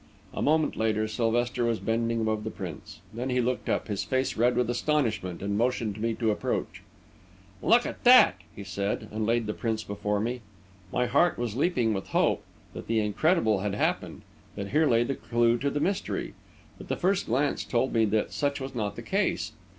A moment later, Sylvester was bending above the prints. Then he looked up, his face red with astonishment, and motioned me to approach. "Look at that!" he said, and laid the prints before me. My heart was leaping with the hope that the incredible had happened; that here lay the clue to the mystery. But the first glance told me that such was not the case.